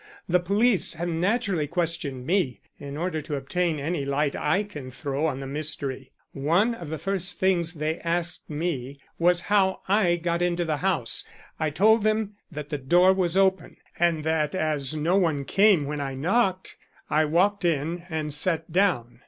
The police have naturally questioned me in order to obtain any light I can throw on the mystery. One of the first things they asked me was how I got into the house. I told them that the door was open, and that as no one came when I knocked I walked in and sat down.